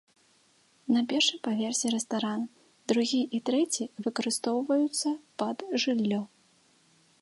На першым паверсе рэстаран, другі і трэці выкарыстоўваюцца пад жыллё.